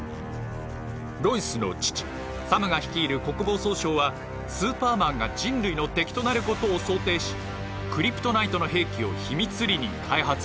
ロイスの父サムが率いる国防総省はスーパーマンが人類の敵となることを想定しクリプトナイトの兵器を秘密裏に開発していたのです。